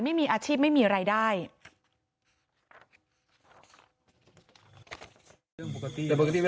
ไม่มีอาชีพไม่มีรายได้